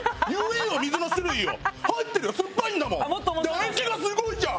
唾液がすごいじゃん！